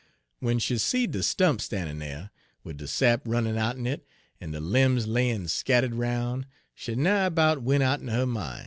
W'en she seed de stump standin' dere, wid de sap runnin' out'n it, en de limbs layin' scattered roun', she nigh 'bout went out'n her min'.